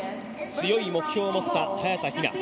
強い目標を持った早田ひな。